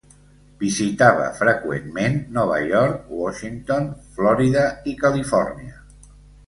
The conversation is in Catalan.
Visitava freqüentment Nova York, Washington, Florida i Califòrnia.